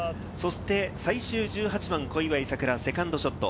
最終１８番、小祝さくらのセカンドショット。